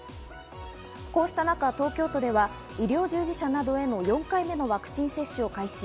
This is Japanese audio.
こうした中、東京都では、医療従事者などへの４回目のワクチン接種を開始。